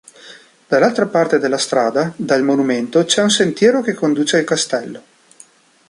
Dall'altra parte della strada dal monumento c'è un sentiero che conduce al castello.